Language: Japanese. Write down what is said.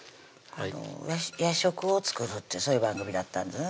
夜食を作るってそういう番組だったんでね